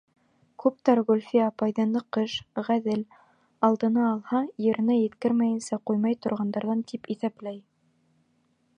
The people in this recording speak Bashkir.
Күптәр Гөлфиә апайҙы ныҡыш, ғәҙел, алдына алһа, еренә еткермәйенсә ҡуймай торғандарҙан тип иҫәпләй.